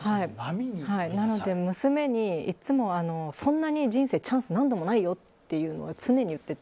なので、娘にいつもそんなに人生チャンス何度もないよって常に言ってて。